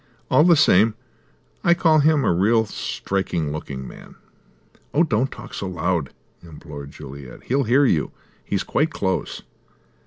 All the same I call him a real striking looking man." "Oh, don't talk so loud," implored Juliet. "He'll hear you. He's quite close."